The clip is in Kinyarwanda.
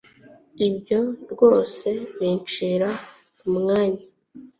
Ibyo rwose binshyira kumwanya.